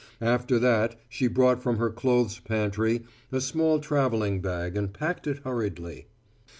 After that she brought from her clothes pantry a small travelling bag and packed it hurriedly.